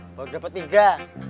gua dapet tiga